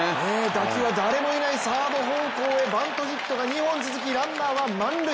打球は誰もいないサード方向にバントヒットが２本続き、ランナーは満塁。